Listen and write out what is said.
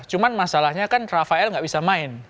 cuma masalahnya kan rafael nggak bisa main